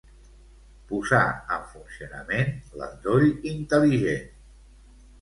Posar en funcionament l'endoll intel·ligent.